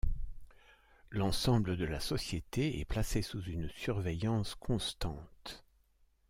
L'ensemble de la société est placée sous une surveillance constante.